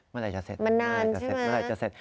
เมื่อนั้นจะเสร็จ